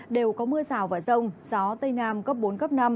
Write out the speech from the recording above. đều có mưa rào và rông gió tây nam cấp bốn cấp năm